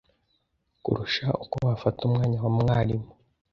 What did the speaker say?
kurusha uko wafata umwanya wa mwarimu,